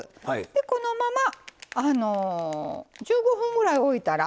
このまま１５分ぐらい置いたら